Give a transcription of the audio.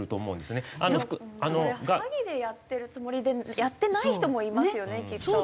これ詐欺でやってるつもりでやってない人もいますよねきっと。